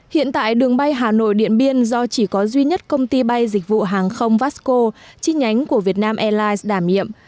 hiện tại đường bay hà nội điện biên do chỉ có duy nhất công ty bay dịch vụ hàng không vasco chi nhánh của việt nam airlines đảm nhiệm